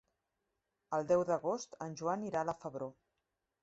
El deu d'agost en Joan irà a la Febró.